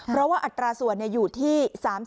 เพราะว่าอัตราส่วนอยู่ที่๓๐